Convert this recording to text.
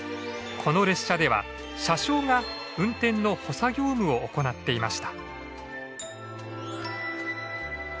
この列車では車掌が運転の補佐業務を行っていました。